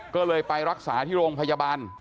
ก็เลยไปรักษาที่โรงพยาบาล